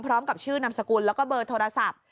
พร้อมกับชื่อนามสกุลแล้วก็เบอร์โทรศัพท์